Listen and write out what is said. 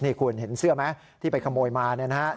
นี่คุณเห็นเสื้อไหมที่ไปขโมยมา